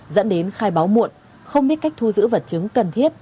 dẫn đến khai báo muộn không biết cách thu giữ vật chứng cần thiết